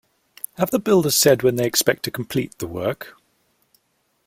Have the builders said when they expect to complete the work?